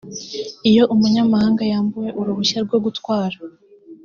iyo umunyamahanga yambuwe uruhushya rwo gutwara